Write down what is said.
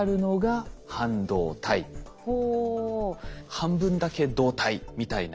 半分だけ導体みたいな。